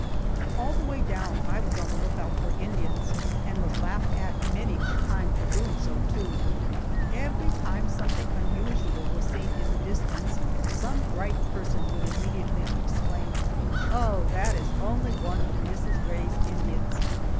All the way down I was on the lookout for Indians, and was laughed at many a time for doing so, too. Every time something unusual was seen in the distance some bright person would immediately exclaim, "Oh, that is only one of Mrs. Rae's Indians!"